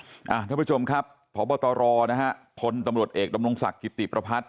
ท่านผู้ชมครับพบตรนะฮะพลตำรวจเอกดำรงศักดิ์กิติประพัทธ